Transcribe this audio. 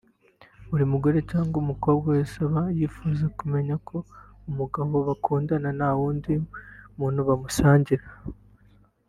Buri mugore cyangwa umukobwa wese aba yifuza kumenya ko umugabo bakundana nta wundi muntu bamusangiye